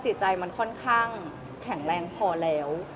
จิตใจมันค่อนข้างแข็งแรงพอแล้ว